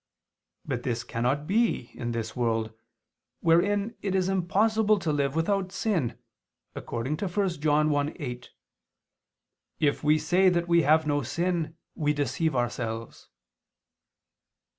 But this cannot be in this world, wherein it is impossible to live without sin, according to 1 John 1:8: "If we say that we have no sin, we deceive ourselves."